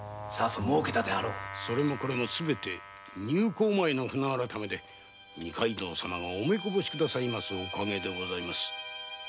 それもこれもすべて入港前の船改めで二階堂様がお目こぼしくださいますおかげでございます。